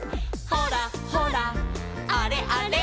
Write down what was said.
「ほらほらあれあれ」